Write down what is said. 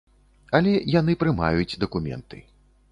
Але яны прымаюць дакументы.